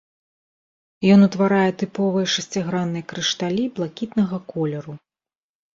Ён утварае тыповыя шасцігранныя крышталі блакітнага колеру.